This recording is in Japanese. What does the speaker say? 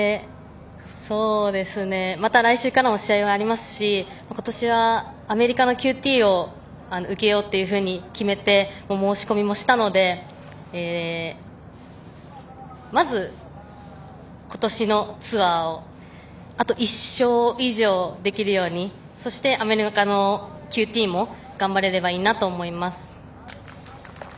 また来週からも試合がありますし今年はアメリカのＱＴを受けようというふうに決めて申し込みもしたのでまず、今年のツアーをあと１勝以上できるようにそしてアメリカのＱＴも頑張れればいいなと思います。